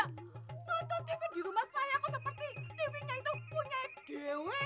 nonton tv di rumah saya kok seperti tv nya itu punya dewa